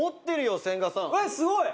「えっすごい！」